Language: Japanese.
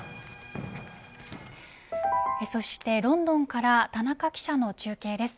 そしてロンドンから田中記者の中継です。